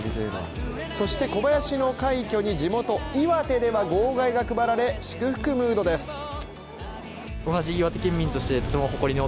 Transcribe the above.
そして小林の快挙に地元・岩手では号外が配られ、祝福ムードです。